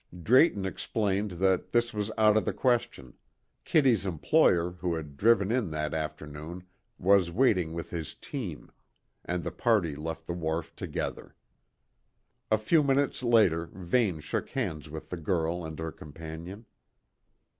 Drayton explained that this was out of the question Kitty's employer, who had driven in that afternoon, was waiting with his team; and the party left the wharf together. A few minutes later, Vane shook hands with the girl and her companion.